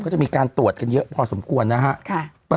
ก็จะมีการตรวจกันเยอะพอสมควรนะฮะ